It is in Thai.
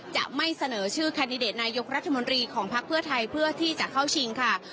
จะไม่เสนอชื่อแคนดิเดตนายกรัฐมนตรีของพักเพื่อไทยเพื่อที่จะเข้าชิงค่ะ